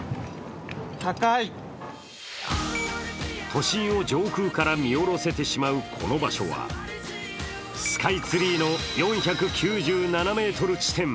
都心を上空から見下ろせてしまうこの場所はスカイツリーの４９７ｍ地点。